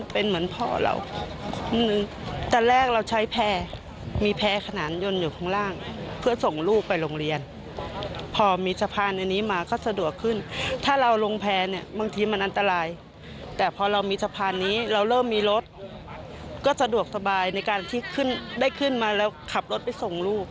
เป็นในการที่ได้ขึ้นมาแล้วขับรถไปส่งลูก